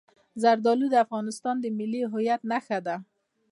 زردالو د افغانستان د ملي هویت نښه ده.